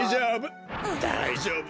だいじょうぶ！